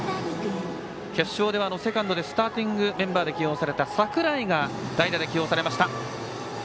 決勝ではセカンドでスターティングメンバーで起用された櫻井が代打で起用されました。